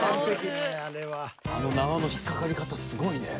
あの縄の引っ掛かり方スゴいね。